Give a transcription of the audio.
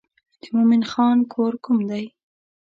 د مومن خان کور کوم دی.